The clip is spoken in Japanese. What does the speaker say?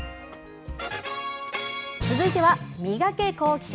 続いては、ミガケ、好奇心！